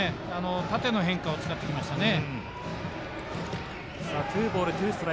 縦の変化を使ってきましたね。